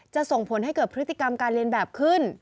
ส่งผลให้เกิดพฤติกรรมการเรียนแบบขึ้น